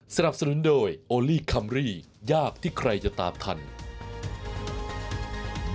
สนับสนุนโดยโอลี่คัมรี่ยากที่ใครจะตามทัน